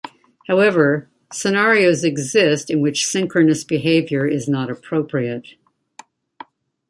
However, scenarios exist in which synchronous behaviour is not appropriate.